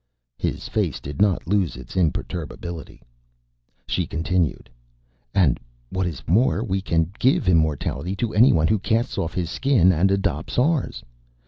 His face did not lose its imperturbability. She continued, "And what is more, we can give immortality to anyone who casts off his Skin and adopts ours.